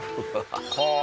はあ！